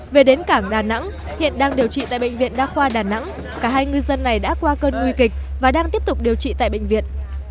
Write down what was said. về đến cảng đà nẵng hiện đang điều trị tại bệnh viện đa khoa đà nẵng cả hai ngư dân này đã qua cơn nguy kịch và đang tiếp tục điều trị tại bệnh viện